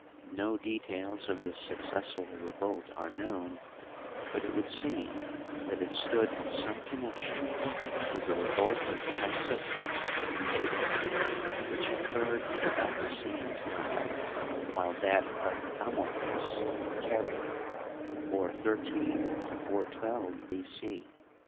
No details of this successful revolt are known, but it would seem that it stood in some connection with the revolt of Pissuthnes in Lydia, which occurred at about the same time, while that of Amorges in Caria (413 412 B. C.)